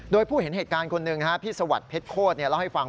โดยผู้เห็นเหตุการณ์คนหนึ่งพี่สวัสดิเพชรโคตรเล่าให้ฟัง